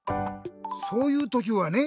そういうときはね